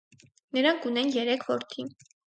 Նրանք ունեն երեք որդի։